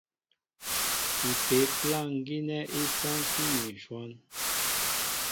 Ipě' plâŋ gínɛ́ í sántí ni ǹshɔ́n.